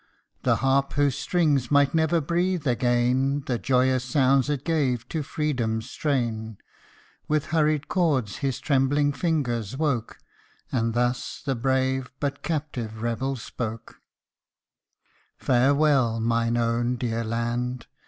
The harp whose strings might never breathe again The joyous sounds it gave to Freedom's strain, With hurried chords, his trembling fingers woke ; And thus the brave, but captive rebel spoke : Farewell ! mine own dear land